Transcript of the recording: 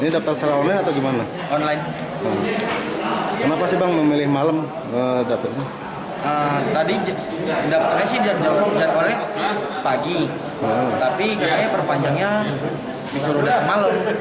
tapi kayaknya perpanjangnya disuruh datang malam